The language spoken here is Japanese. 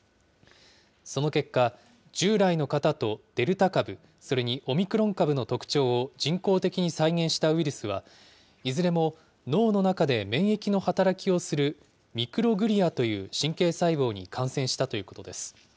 その結果、従来の型とデルタ株、それにオミクロン株の特徴を人工的に再現したウイルスは、いずれも脳の中で免疫の働きをするミクログリアという神経細胞に感染したということです。